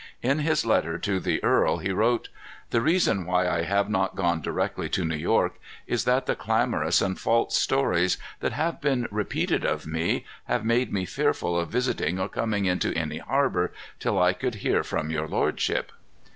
In his letter to the earl he wrote: "The reason why I have not gone directly to New York, is that the clamorous and false stories that have been repeated of me, have made me fearful of visiting or coming into any harbor, till I could hear from your lordship."